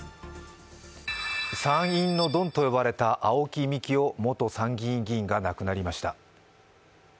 参院のドンと呼ばれた青木幹雄元参議院議員が亡くなりました。